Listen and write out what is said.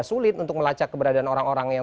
sulit untuk melacak keberadaan orang orang yang